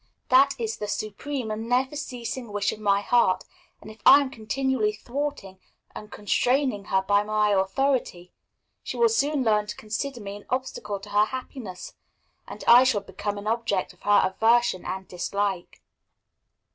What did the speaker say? "That is the supreme and never ceasing wish of my heart; and if I am continually thwarting and constraining her by my authority, she will soon learn to consider me an obstacle to her happiness, and I shall become an object of her aversion and dislike."